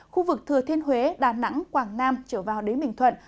khu vực thừa thiên huế đà nẵng quảng nam trở vào đến bình thuận